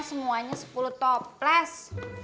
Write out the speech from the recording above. semuanya sepuluh toples